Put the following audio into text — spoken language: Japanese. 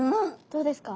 どうですか？